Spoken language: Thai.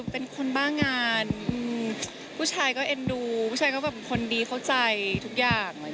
เป็นคนบ้างานผู้ชายก็เอ็นดูผู้ชายก็แบบคนดีเข้าใจทุกอย่าง